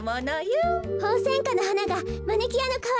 ホウセンカのはながマニキュアのかわりになるんですか？